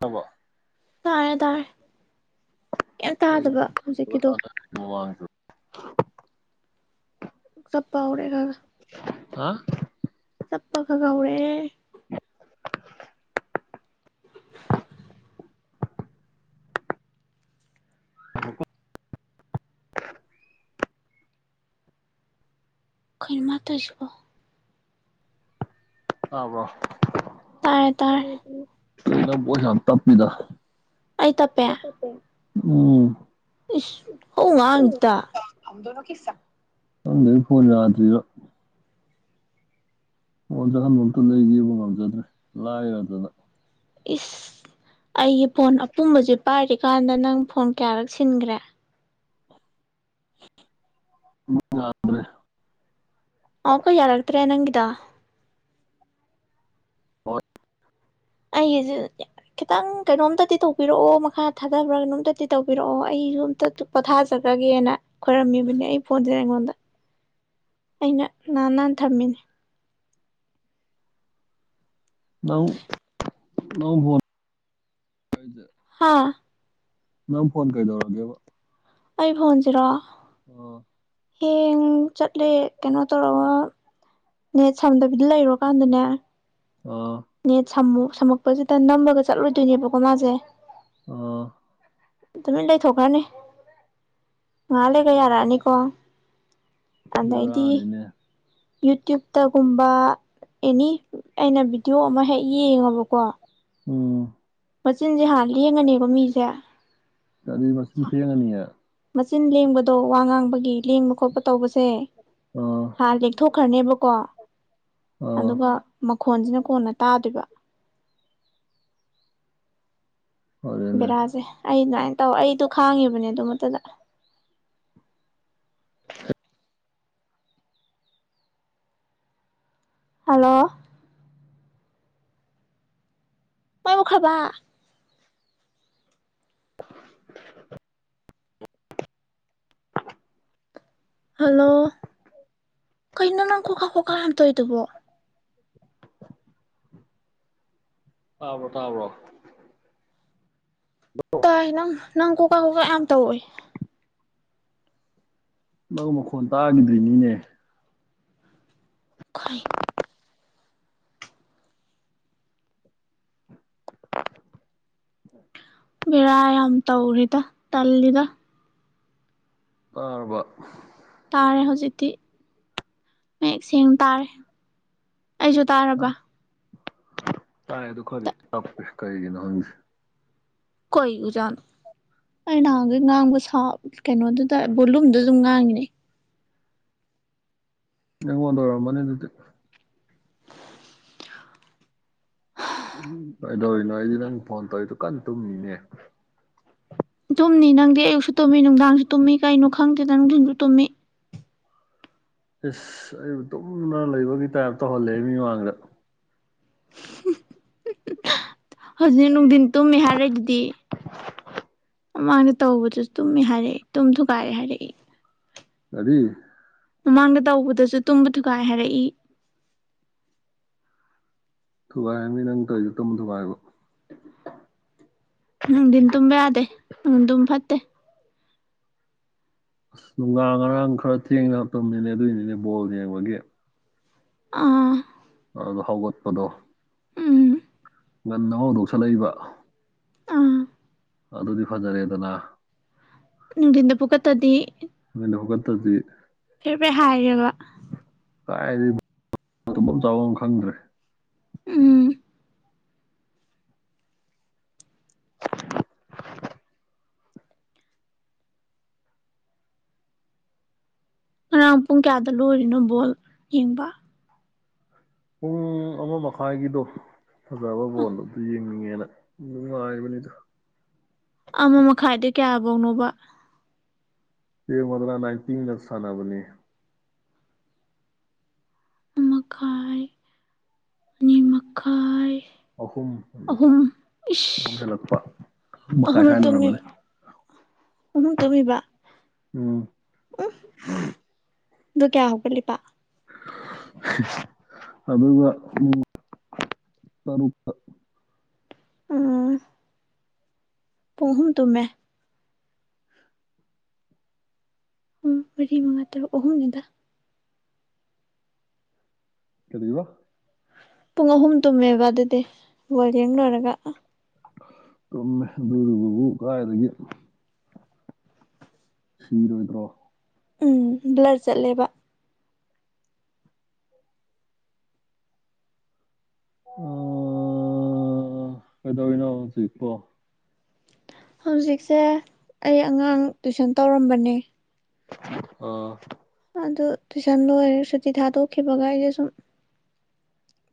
ꯇꯥꯕ꯭ꯔꯣ ꯇꯥꯔꯦ ꯇꯥꯔꯦ ꯀ ꯇꯥꯗꯕ ꯍꯧꯖꯤꯛꯀꯤꯗꯣ [unintelligible] ꯁꯞꯄꯄꯥ ꯎꯔꯦꯒ ꯍꯥ ꯆꯞꯄ ꯈ ꯀꯧꯔꯦ ꯈꯜꯃ ꯇꯣꯏꯖꯕꯣ ꯑꯕꯣ ꯇꯔꯦ ꯇꯥꯏꯔ ꯅ ꯣ ꯁꯥꯟ ꯇ ꯄꯤꯗ ꯑꯩ ꯇꯄꯦ ꯎꯝ ꯏ ꯍ ꯉꯗ ꯍꯗ ꯐꯣꯟꯣꯟꯇ꯭ꯔꯤꯔꯤꯕ ꯑꯣ ꯑꯍꯟꯃꯛꯇ ꯂꯩ ꯌꯦꯕ ꯉꯝꯖꯗ꯭ꯔꯦ ꯂꯥꯏꯔ ꯑꯗꯨꯅ ꯏꯁ ꯑꯩꯒꯤ ꯐꯣꯟ ꯑꯄꯨꯝꯕꯁꯦ ꯄꯥꯏꯔꯦ ꯀꯥꯟꯗ ꯅꯪ ꯐꯣꯟ ꯀꯌꯥꯔꯛ ꯁꯤꯟꯈ꯭ꯔꯦ ꯒꯥꯥꯟꯔꯦ ꯑꯣ ꯀꯣ ꯌꯥꯔꯇꯔꯦ ꯅꯪꯤꯗ ꯍ ꯑꯩꯒꯤꯁꯦ ꯈꯤꯇꯪ ꯀꯩꯅꯣꯝꯇꯗꯤ ꯇꯧꯕꯤꯔꯛꯑꯣ ꯃꯈꯥ ꯊꯥꯗꯕ꯭ꯔꯥ ꯀꯩꯅꯣꯝꯇꯗꯤ ꯇꯧꯕꯤꯔꯛꯑꯣ ꯑꯩꯁꯨ ꯑꯝꯇ ꯄꯣꯊꯥꯖꯈ꯭ꯔꯒꯦꯅ ꯈꯣꯏꯔꯝꯃꯤꯕꯅꯦ ꯑꯩ ꯐꯣꯟꯁꯦ ꯑꯩꯉꯣꯟꯗ ꯑꯩꯅ ꯅꯍꯥꯟ ꯍꯟꯅ ꯊꯝꯃꯤꯅꯦ ꯂꯎ ꯂꯎ ꯐꯣ ꯍꯥꯥ ꯅꯪ ꯐꯣꯟ ꯀꯩꯗꯧꯔꯒꯦꯕ ꯑꯩ ꯐꯣꯟꯁꯤꯔꯣ ꯑꯣ ꯍꯌꯦ ꯆꯠꯂꯦ ꯀꯩꯅꯣ ꯇꯧꯔꯒ ꯅꯦꯠ ꯁꯝꯗꯕꯤꯗ ꯂꯩꯔꯣꯀꯥꯟꯗꯅꯦ ꯑꯥ ꯅ ꯁꯝꯃꯨ ꯁꯝꯃꯛꯄꯁꯤꯗ ꯅꯝꯃꯒ ꯆꯠꯂꯨꯗꯣꯏꯅꯦꯕꯀꯣ ꯃꯥꯁꯦ ꯑꯣ ꯑꯗꯨꯃꯤ ꯂꯩꯊꯣꯛꯈ꯭ꯔꯅꯤ ꯉꯥ ꯂꯩ ꯌꯥꯔꯛꯑꯅꯤꯀꯣ ꯑꯗꯩꯗꯤ ꯕꯦꯔꯥꯅꯤꯅꯦ ꯌꯨꯇ꯭ꯌꯨꯞꯇꯒꯨꯝꯕ ꯑꯦꯅꯤ ꯑꯩꯅ ꯚꯤꯗꯤꯑꯣ ꯑꯃ ꯍꯦꯛ ꯌꯦꯡꯉꯕꯀꯣ ꯎꯝ ꯃꯆꯤꯟꯁꯦ ꯍꯥꯟꯅ ꯂꯦꯡꯉꯅꯦꯕ ꯃꯤꯁꯦ ꯇꯗꯤꯃꯁꯤꯅ ꯐꯩ ꯑꯉꯅ ꯅꯌꯥ ꯃꯆꯤꯟ ꯂꯦꯡꯕꯗꯣ ꯋꯥ ꯉꯥꯡꯕꯒꯤ ꯂꯦꯡꯕ ꯈꯣꯠꯄ ꯇꯧꯕꯁꯦ ꯑꯥ ꯍꯥ ꯂꯦꯛꯊꯣꯛꯈ꯭ꯔꯅꯦꯕꯀꯣ ꯑꯥ ꯑꯗꯨꯒ ꯃꯈꯣꯟꯁꯤꯅ ꯀꯣꯟꯅ ꯇꯥꯗꯣꯏꯕ ꯐꯔꯦꯅꯦ ꯕꯤꯔꯥꯖꯦ ꯑꯩ ꯅꯨꯡꯥꯏꯅ ꯇꯧ ꯑꯩꯗꯣ ꯈꯥꯡꯉꯤꯕꯅꯦ ꯑꯗꯨ ꯃꯛꯇꯗ ꯍꯜꯂꯣ ꯃꯥꯏꯃꯈ꯭ꯔꯕ ꯍꯜꯂꯣ ꯀꯩꯅꯣ ꯅꯪ ꯀꯣꯀꯥ ꯀꯣꯀꯥ ꯍꯥꯝꯇꯣꯏꯗꯨꯕꯣ ꯇꯥꯕ꯭ꯔꯣ ꯇꯥꯕ꯭ꯔꯣ ꯇꯥꯏ ꯅꯪ ꯅꯪ ꯀꯣꯀꯥ ꯀꯣꯀꯥ ꯌꯥꯝ ꯇꯧꯋꯦ ꯅꯪ ꯃꯈꯣꯟ ꯇꯥꯈꯤꯗꯣꯏꯅꯤꯅꯦ ꯈꯣꯏ ꯕꯦꯔꯥ ꯌꯥꯝ ꯇꯧꯔꯤꯗ ꯇꯜꯂꯤꯗ ꯇꯥꯔꯕ ꯇꯥꯔꯦ ꯍꯧꯖꯤꯛꯇꯤ ꯃꯌꯦꯛ ꯁꯦꯡꯅ ꯇꯥꯔꯦ ꯑꯩꯁꯨ ꯇꯥꯔꯕ ꯇꯥꯏ ꯑꯗꯨ ꯈꯗꯤꯦ ꯀꯔꯤꯒꯤꯅ ꯍꯪ ꯀꯣꯏ ꯑꯣꯖꯥꯅꯣ ꯑꯩ ꯅꯍꯥꯟꯈꯩ ꯉꯥꯡꯕ ꯁꯥ ꯀꯩꯅꯣꯗꯨꯗ ꯕꯣꯂꯨꯝꯗꯨ ꯑꯗꯨꯝ ꯉꯥꯡꯉꯤꯅꯦ ꯅꯉ ꯋꯥꯣꯟꯗ ꯑꯣꯏꯔꯣ ꯃꯅꯤ ꯑꯗꯨꯗꯤ ꯎ ꯀꯩꯗꯧꯔꯤꯅꯣ ꯑꯩꯗꯤ ꯅꯪ ꯐꯣꯟ ꯇꯧꯔꯤꯗꯨ ꯀꯟꯅ ꯇꯨꯝꯃꯤꯅꯦ ꯇꯨꯝꯅꯤ ꯅꯪꯗꯤ ꯑꯌꯨꯛꯁꯨ ꯇꯨꯝꯃꯤ ꯅꯨꯡꯗꯥꯡꯁꯨ ꯇꯨꯝꯃꯤ ꯀꯩꯅꯣ ꯈꯪꯗꯦꯗ ꯅꯨꯡꯊꯤꯟꯁꯨ ꯇꯨꯝꯃꯤ ꯏꯁꯁ ꯑꯩꯕꯨ ꯇꯨꯝꯅ ꯂꯩꯕꯒꯤ ꯇꯥꯏꯞ ꯇꯧꯍꯜꯂꯦ ꯃꯤꯃꯥꯡꯗ ꯍꯧꯖꯤꯛꯅ ꯅꯨꯡꯊꯤꯟ ꯇꯨꯝꯃꯦ ꯍꯥꯏꯔꯦ ꯑꯗꯨꯗꯤ ꯃꯥꯅ ꯇꯧꯕꯗꯨꯁꯨ ꯇꯨꯝꯃꯦ ꯍꯥꯏꯔꯛꯏ ꯇꯨꯝꯁꯨꯨ ꯀꯥꯏꯔꯦ ꯍꯥꯏꯔꯛꯏ ꯑꯗꯤ ꯃꯒꯗ ꯎ ꯑꯗꯨꯁꯨ ꯇꯨꯝꯕ ꯊꯨꯒꯥꯏ ꯍꯥꯏꯔꯛꯏ ꯊꯨꯕꯥꯥꯏ ꯃꯤꯃꯤ ꯅꯇꯔꯁꯨꯛꯇ ꯃ ꯊꯕꯥꯔꯒ ꯅꯨꯡꯗꯤꯤꯟ ꯇꯨꯝꯕ ꯌꯥꯗꯦ ꯅꯅꯨꯡ ꯇꯨꯝ ꯐꯠꯇꯦ ꯑꯁ ꯅꯨꯡꯗꯥꯡ ꯉꯔꯥꯡ ꯈꯔ ꯊꯦꯡꯅꯔ ꯃꯇꯝꯅꯤꯅꯦ ꯑꯗꯨꯏꯅꯤꯅꯦ ꯕꯣꯜ ꯌꯦꯡꯕꯒꯤ ꯑꯥ ꯑ ꯑꯗꯨ ꯍꯒꯠꯄꯗꯣ ꯎꯝ ꯉꯟ ꯅꯍꯥꯎꯗꯣꯛꯁꯠꯂꯛꯏꯕ ꯑꯥ ꯑꯗꯨꯗꯤ ꯐꯖꯔꯦꯗꯅ ꯅꯨꯡꯗꯤꯟ ꯄꯨꯒ ꯇꯗꯤ ꯃ ꯂꯧ ꯇꯗꯤ ꯐꯦꯔꯐꯩ ꯍꯥꯏꯌꯦꯦꯕ ꯀꯥꯏꯗꯤ ꯇꯨꯝꯐꯝ ꯆꯥꯎꯐꯝ ꯑꯃ ꯈꯪꯗ꯭ꯔꯦ ꯎꯝ ꯔꯝꯄꯨꯡ ꯀꯌꯥꯗ ꯇ ꯂꯣꯏꯔꯤꯅꯣ ꯕꯣꯜ ꯌꯦꯡꯕ ꯄꯨꯡ ꯑꯃ ꯃꯈꯥꯏꯒꯤꯗꯣ ꯐꯕꯣꯂꯣ ꯌꯦ ꯦ ꯃꯥꯔꯕꯅꯤꯗꯨ ꯀꯕꯥꯎꯅꯕ ꯐ ꯃꯗꯨ ꯅꯥꯟꯇ ꯃꯤꯅꯁꯅꯕꯅꯤ ꯃꯈꯥꯏ ꯑꯅꯤ ꯃꯈꯥꯏ ꯑꯍꯨꯝꯗ ꯑꯍꯨꯝ ꯑꯨꯝ ꯏꯁ ꯍꯦꯜꯂꯛꯄ ꯃꯈꯥꯏ ꯈꯥꯏꯗꯣꯏꯔꯕꯅꯦ ꯑꯃ ꯇꯃꯤꯕ ꯎꯝ ꯑꯗꯨ ꯀꯌꯥ ꯍꯒꯜꯂꯤꯂꯤ ꯄ ꯑ ꯇꯔꯨꯄ ꯑ ꯄꯍꯨꯝ ꯇꯃꯦ ꯎꯝ ꯃꯔꯤ ꯃꯉꯥ ꯇꯔꯨꯛ ꯑꯍꯨꯝꯒꯤꯗ ꯀꯔꯤ ꯋꯥ ꯄꯨꯡ ꯑꯍꯨꯝ ꯇꯨꯝꯃꯦꯕ ꯑꯗꯨꯗꯤ ꯕꯡ ꯂꯣꯏꯔꯒ ꯀꯃꯦ ꯑꯗꯨꯒꯕꯨ ꯀꯥꯏꯗꯒꯤ ꯁꯤꯤꯔꯣ ꯏꯟꯗ꯭ꯔꯣ ꯎꯝ ꯕ꯭ꯂꯔ ꯆꯠꯂꯦꯕ ꯑ ꯀꯗꯅꯣꯖꯤꯄꯣ ꯍꯧꯖꯤꯛꯁꯦ ꯑꯩ ꯑꯉꯥꯡ ꯇꯨꯏꯁꯟ ꯇꯧꯔꯝꯕꯅꯦ ꯑꯣ ꯑꯗꯨ ꯇꯨꯏꯁꯟ ꯂꯣꯏꯔꯦ ꯁꯨꯇꯤ ꯊꯥꯗꯣꯛꯈꯤꯕꯒ ꯑꯩꯁꯦ ꯁꯨꯝ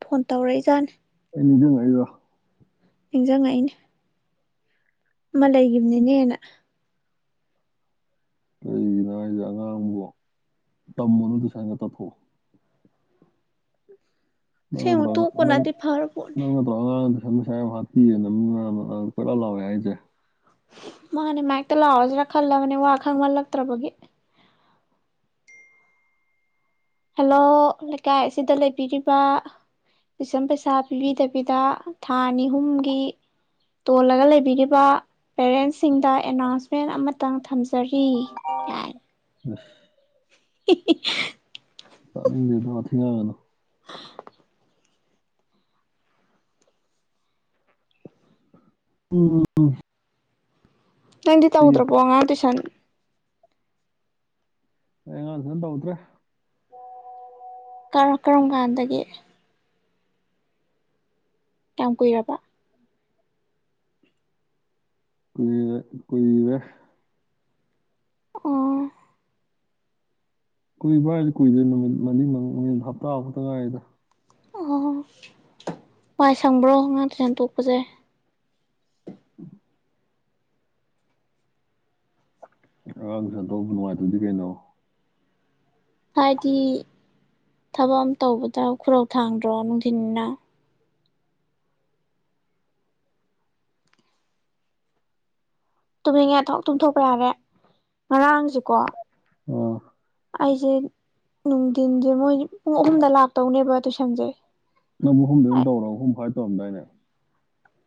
ꯐꯣꯟ ꯇꯧꯔꯛꯏꯖꯥꯅꯤ ꯑꯦꯅꯤꯗꯨ ꯉꯏꯔꯣ ꯏꯟꯖꯥꯡꯥꯏꯅꯤ ꯃ ꯂꯩ ꯂꯩꯒꯤꯕꯅꯤꯅꯦꯦꯅ ꯀꯩꯒꯤꯅꯣ ꯍꯥꯏꯁꯦ ꯑꯉꯥꯡꯕꯨꯣ ꯇꯝꯕꯅꯣ ꯇ ꯁꯥꯏꯅ ꯇꯠꯊꯣꯛꯑꯣ ꯅꯪ ꯁꯤꯨ ꯅꯠꯇ꯭ꯔꯣ ꯇꯨ ꯀꯅꯥꯗꯤ ꯐꯔ ꯄꯅꯤ ꯁꯁꯥ ꯌꯥꯝ ꯍꯥꯞꯄꯤ ꯅꯅ ꯀꯣꯏꯔ ꯂꯥꯎꯋꯦ ꯍꯥꯏꯁꯦ ꯃꯥꯅꯦ ꯃꯥꯥꯏꯛꯇ ꯂꯋꯥꯖ꯭ꯔꯥ ꯈꯜꯂꯕꯅꯤ ꯋꯥ ꯈꯪꯃꯜꯂꯛꯇ꯭ꯔꯕꯒꯤ ꯍꯜꯂꯣ ꯂꯩꯀꯥꯏ ꯑꯁꯤꯗ ꯂꯩꯕꯤꯔꯤꯕ ꯇꯨꯏꯁꯟ ꯄꯩꯁꯥ ꯄꯤꯕꯤꯗꯕꯤꯗ ꯊꯥ ꯑꯅꯤ ꯑꯍꯨꯝꯒꯤ ꯇꯣꯜꯂꯒ ꯂꯩꯕꯤꯔꯤꯕ ꯄꯦꯔꯦꯟꯁꯁꯤꯡꯗ ꯑꯦꯅꯥꯎꯟꯁꯃꯦꯟ ꯑꯃꯇꯪ ꯊꯝꯖꯔꯤ ꯀ ꯑꯁ [unintelligible] ꯆꯅꯤꯡꯦꯗꯊꯤꯒꯅꯣ [unintelligible] ꯎꯝ ꯎ ꯅꯗꯤ ꯇꯧꯗ꯭ꯔꯄꯣꯉ ꯇ꯭ꯌꯨꯁꯟ ꯉꯥꯡꯁꯤꯅ ꯇꯧꯗ꯭ꯔꯦ ꯀꯔ ꯀꯔꯝ ꯀꯥꯟꯗꯒꯤꯦ ꯀꯝ ꯀꯔꯔꯕ ꯀ ꯀꯣꯏꯗ ꯑꯣ ꯀꯨꯏꯕ꯭ꯔꯥꯏꯗꯤ ꯀꯨꯏꯗꯦ ꯅꯨꯃꯤꯠ ꯃꯔꯤ ꯃ ꯍꯞꯇꯥꯐꯥꯎꯛꯇ ꯉꯥꯏꯗ ꯑꯣ ꯋꯥꯏ ꯁꯪꯕ꯭ꯔꯣ ꯉꯥ ꯇꯁꯟ ꯇꯣꯛꯄꯁꯦ ꯎꯝ ꯑ ꯁꯟꯇ ꯅꯨꯡꯉꯥꯏꯇꯕꯗꯤ ꯀꯩꯅꯣ ꯍꯥꯏꯗꯤ ꯊꯕꯛ ꯑꯃ ꯇꯧꯕꯗ ꯈꯨꯔꯧ ꯊꯥꯡꯗ꯭ꯔꯣ ꯅꯨꯡꯊꯤꯤꯟꯅ ꯇꯨꯝꯅꯤꯡꯉꯦꯊ ꯇꯨꯝꯊꯣꯛꯄ ꯌꯥꯔꯦ ꯉꯔꯥꯡꯁꯤꯀꯣ ꯑꯣ ꯑꯩꯁꯦ ꯅꯨꯡꯊꯤꯟꯁꯦ ꯃꯣꯏ ꯄꯨꯡ ꯑꯍꯨꯝꯗ ꯂꯥꯛꯇꯧꯅꯦꯕ ꯇꯨꯏꯁꯟꯁꯦ ꯇꯣꯗꯣꯏꯅꯦ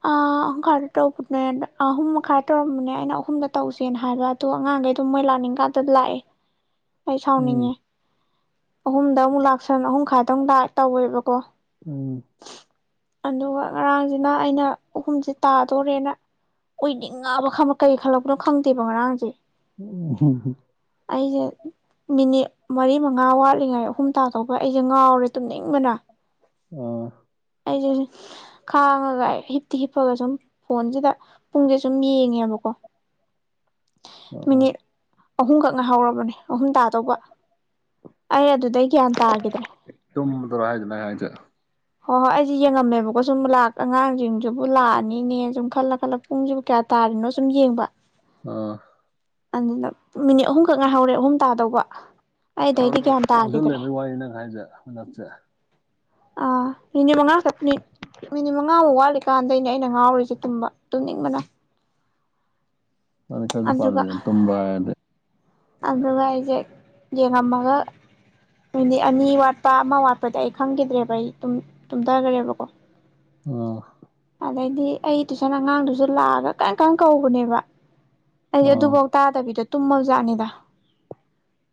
ꯑ ꯑꯍꯨꯝꯈꯥꯏꯗ ꯇꯧꯕꯅꯦ ꯑꯍꯨꯝ ꯃꯈꯥꯏ ꯇꯧꯔꯝꯕꯅꯦ ꯑꯩꯅ ꯑꯍꯨꯝꯗ ꯇꯧꯁꯦꯅ ꯍꯥꯏꯕ ꯑꯗꯨ ꯑꯉꯥꯡꯈꯩ ꯑꯗꯨꯝ ꯃꯣꯏ ꯂꯥꯛꯅꯤꯡꯀꯥꯟꯗ ꯂꯥꯛꯑꯦ ꯑꯩ ꯎꯝ ꯁꯥꯎꯅꯤꯡꯉꯦ ꯑꯍꯨꯝꯗ ꯑꯃꯨꯛ ꯂꯥꯛꯁꯟ ꯑꯍꯨꯝ ꯈꯥꯏꯗꯨꯛ ꯇꯧꯦꯕꯀꯣ ꯎꯝ ꯑꯗꯨꯒ ꯉꯔꯥꯡꯁꯤꯅ ꯑꯩꯅ ꯑꯍꯨꯝꯁꯦ ꯇꯥꯗꯣꯔꯦꯅ ꯑꯣꯏꯅꯤꯡꯉꯕ ꯈꯪꯕ ꯀꯩ ꯈꯜꯂꯛꯄꯅꯣ ꯈꯪꯗꯦꯕ ꯉꯔꯥꯡꯁꯦ ꯎ ꯍ ꯑꯩꯁꯦ ꯃꯤꯅꯤꯠ ꯃꯔꯤ ꯃꯉꯥꯋꯥ ꯂꯩꯉꯥꯏ ꯑꯍꯨꯝ ꯇꯥꯗꯧꯕ ꯑꯩꯁꯦ ꯉꯥꯎꯔꯦ ꯇꯨꯝꯅꯤꯡꯕꯅ ꯑ ꯑꯩꯁꯦ ꯈꯥꯡꯉꯒ ꯍꯤꯞꯇꯤ ꯍꯤꯞꯄꯒ ꯁꯨꯝ ꯐꯣꯟꯁꯤꯗ ꯄꯨꯡꯁꯦ ꯁꯨꯝ ꯌꯦꯡꯉꯦꯕꯀꯣ ꯑ ꯑ ꯑꯍꯨꯝꯈꯛꯅ ꯍꯧꯔꯕꯅꯦ ꯑꯍꯨꯝ ꯇꯥ ꯇꯧꯕ ꯑꯩ ꯑꯗꯨꯗꯩ ꯒ꯭ꯌꯥꯟ ꯇꯥꯈꯤꯗ꯭ꯔꯦ ꯇꯨꯝꯕꯗꯔꯣ ꯍꯥꯏꯖꯦ ꯅꯪ ꯍꯥꯏꯖꯦ ꯍꯣꯏ ꯍꯣꯏ ꯑꯩꯁꯦ ꯌꯦꯡꯉꯝꯃꯦꯕꯀꯣ ꯁꯨꯝ ꯑꯉꯥꯡꯁꯤꯡꯁꯤꯕꯨ ꯂꯥꯛꯑꯅꯤꯅꯦ ꯁꯨꯝ ꯈꯜꯂ ꯈꯜꯂ ꯄꯨꯡꯁꯤ ꯀꯌꯥ ꯇꯥꯔꯤꯅꯣ ꯁꯨꯝ ꯌꯦꯡꯕ ꯑꯥ ꯑꯗꯨꯗ ꯃꯤꯅꯤꯠ ꯑꯍꯨꯝꯈꯛ ꯉꯥꯏꯍꯧꯔꯦ ꯑꯍꯨꯝ ꯇꯥꯗꯧꯕ ꯅ ꯑꯩꯗꯩꯗꯤ ꯒ꯭ꯌꯥꯟ ꯇꯥꯈꯤꯗ꯭ꯔꯦ ꯍꯧꯖꯤꯜꯂꯕꯒꯤ ꯋꯥꯔꯤ ꯅꯪꯥꯏꯁꯦ ꯑꯩꯈꯣꯏ ꯅꯛꯁꯦ ꯑꯥ ꯃꯤꯅꯤꯠ ꯃꯉꯥ ꯈꯛꯇꯅꯤ ꯃꯤꯅꯤꯠ ꯃꯉꯥꯃꯨꯛ ꯋꯥꯠꯂꯤꯀꯥꯟꯗꯩꯅꯦ ꯑꯩꯅ ꯉꯥꯎꯔꯤꯁꯦ ꯇꯨꯝꯕ ꯇꯨꯝꯅꯤꯡꯕꯅ ꯅ ꯀꯁꯨ ꯄꯥꯜ ꯇꯨꯝꯦ ꯑꯗꯨ ꯑꯩꯁꯦ ꯌꯦꯅꯃꯒ ꯑꯅꯤ ꯋꯥꯔꯄ ꯑꯃ ꯋꯥꯔ ꯄꯗꯤ ꯑꯩ ꯈꯪꯈꯤꯗ꯭ꯔꯦꯕ ꯑꯩ ꯇꯨꯝꯊꯈ꯭ꯔꯦꯕꯀꯣ ꯑꯥ ꯑꯗꯩꯗꯤ ꯑꯩ ꯇꯨꯁꯅ ꯑꯉꯥꯡꯗꯨꯁꯨ ꯂꯥꯛꯑꯒ ꯀꯔꯝ ꯀꯔ ꯀꯧꯕꯅꯦꯕ ꯑꯩꯁꯦ ꯑꯥ ꯑꯗꯨꯐꯥꯎ ꯇꯥꯗꯕꯤꯗ ꯇꯨꯝꯃꯧꯖꯥꯅꯤꯗ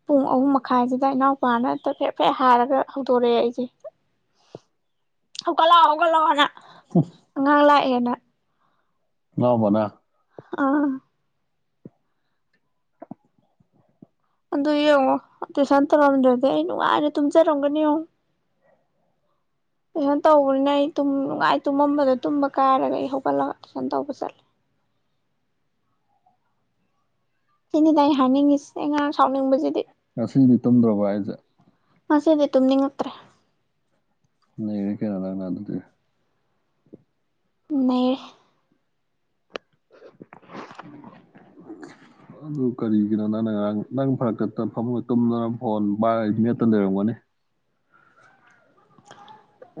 ꯄꯨꯡ ꯑꯍꯨꯝ ꯃꯈꯥꯏꯁꯤꯗ ꯏꯅꯥꯎꯄꯥꯅ ꯑꯝꯇ ꯐꯦꯠ ꯐꯦꯠ ꯍꯥꯏꯔꯒ ꯍꯧꯗꯣꯔꯛꯑꯦ ꯑꯩꯁꯦ ꯍꯧꯒꯠꯂꯛꯑꯣ ꯍꯧꯒꯠꯂꯛꯑꯣꯅ ꯉꯥꯡ ꯂ ꯑꯦꯅ ꯂꯃꯅꯥ ꯑꯥ ꯑꯗꯨ ꯌꯦꯡꯉꯣ ꯑꯩꯁꯟ ꯇꯧꯔꯝꯗ꯭ꯔꯗꯤ ꯑꯩ ꯅꯨꯡꯉꯥꯏꯔꯦ ꯇꯨꯝꯖꯔꯝꯒꯅꯤ ꯌꯦꯡꯉꯣ ꯇꯨꯏꯁꯟ ꯇꯧꯕꯅꯤꯅ ꯑꯩꯨꯝꯅꯨꯡꯉꯥꯏ ꯇꯨꯝꯃꯝꯕꯗ ꯇꯨꯝꯕ ꯀꯥꯏꯔꯒ ꯑꯩ ꯍꯧꯒꯠꯂꯒ ꯇꯨꯏꯁꯟ ꯇꯧꯕ ꯆꯠꯂꯦ ꯁꯤꯅꯤꯗꯤ ꯑꯩ ꯍꯥꯏꯅꯤꯡꯉꯁꯤ ꯑꯉꯥꯡ ꯁꯥꯎꯅꯤꯡꯕꯁꯤꯗꯤ ꯉꯁꯤꯗꯤ ꯇꯨꯝꯗ꯭ꯔꯣꯕ ꯑꯩꯁꯦ ꯉꯗꯤ ꯇꯨꯝꯅꯤꯡꯉꯛꯇ꯭ꯔꯦ ꯅ ꯀꯅ ꯂꯒꯅꯥ ꯑꯗꯨꯗꯤ ꯃ ꯑꯗꯨ ꯀꯔꯤꯒꯤꯅꯣ ꯅꯪꯅ ꯉꯔꯥꯡ ꯅꯪ ꯐꯔꯛꯇꯛꯇ ꯐꯃꯨꯡ ꯇꯨꯝꯗꯅ ꯐꯣꯟ ꯃꯦꯠꯇ ꯂꯩꯔꯝꯒꯅꯤ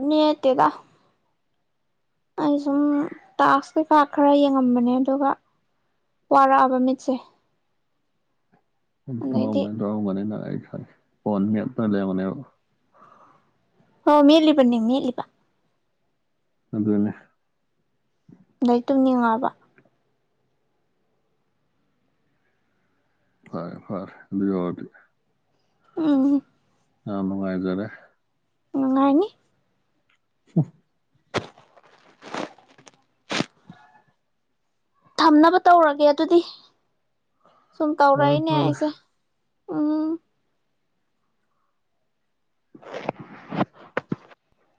ꯅꯠꯇꯗ ꯑꯩ ꯁꯨꯝ ꯇꯥꯛꯁ ꯀꯩꯀꯥ ꯈꯔ ꯌꯦꯡꯉꯝꯕꯅꯦ ꯑꯗꯨꯒ ꯋꯥꯔꯛꯑꯕ ꯃꯤꯠꯁꯦ ꯇꯨꯝꯃ ꯑꯗꯩꯗꯤ ꯑꯣꯡꯥꯏꯅ ꯇ ꯑꯣꯅꯉ ꯄꯅꯤꯅ ꯂꯩ ꯃꯅꯤ ꯍ ꯃꯦꯜꯂꯤꯕꯅꯤ ꯃꯦꯂꯤꯕ ꯑꯗꯨꯗꯅꯦꯦ ꯂꯩꯩ ꯇꯨꯝꯅꯤꯡꯉꯕ ꯐꯔꯦ ꯐꯔꯦ ꯑꯗꯨꯏ ꯑꯣꯏꯔꯗꯤ ꯎꯝ ꯑꯥꯝ ꯅꯨꯡꯉꯥꯏꯖꯔꯦ ꯅꯨꯉꯥꯏꯅꯤ ꯍ [inaudible] ꯊꯝꯅꯕ ꯇꯧꯔꯒꯦ ꯑꯗꯨꯗꯤ ꯁꯨꯝ ꯐꯔꯦ ꯇꯧꯔꯦꯏꯅꯦ ꯐꯔꯦ ꯑꯩꯁꯦ ꯎꯝ [inaudible]